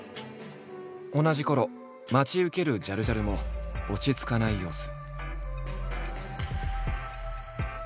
同じころ待ち受けるジャルジャルも落ち着かない様子。